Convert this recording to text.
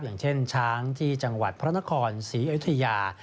อย่างเช่นช้างที่จังหวัดพระนครศรีอยุธยา